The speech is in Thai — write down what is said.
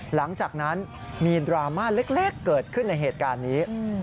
หลังจากนั้นมีดราม่าเล็กเกิดขึ้นในเหตุการณ์นี้